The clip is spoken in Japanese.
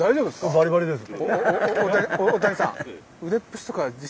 バリバリです。